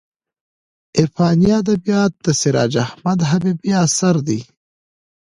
عرفاني ادبیات د سراج احمد حبیبي اثر دی.